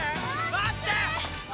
待ってー！